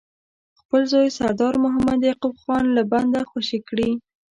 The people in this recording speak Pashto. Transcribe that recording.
خپل زوی سردار محمد یعقوب خان له بنده خوشي کړي.